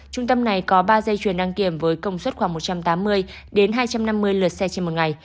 trung tâm này có ba dây chuyền đăng kiểm với công suất khoảng một trăm tám mươi hai trăm năm mươi lượt xe trên một ngày